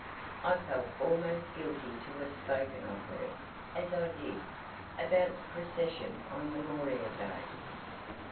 I felt almost guilty to have spoken of her, as I did, about the procession on Memorial Day."